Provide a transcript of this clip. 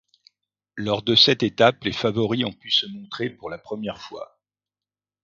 Lors de cette étape, les favoris ont pu se montrer pour la première fois.